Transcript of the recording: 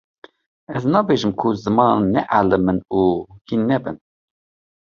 ez nabêjim ku zimanan nealimin û hîn nebin